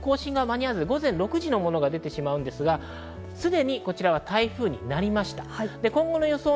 更新が間に合っていないので、午前６時のものが出てしまうんですが、すでに台風になりました。